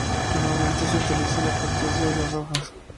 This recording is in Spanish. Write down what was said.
Normalmente se utiliza la corteza y las hojas.